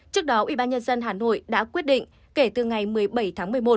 trước đó ubnd hà nội đã quyết định kể từ ngày một mươi bảy tháng một mươi một